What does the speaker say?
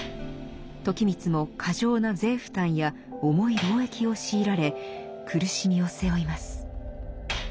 時光も過剰な税負担や重い労役を強いられ苦しみを背負います。